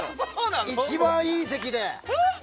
一番いい席で。